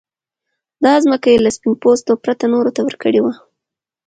دا ځمکه يې له سپين پوستو پرته نورو ته ورکړې وه.